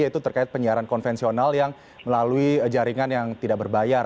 yaitu terkait penyiaran konvensional yang melalui jaringan yang tidak berbayar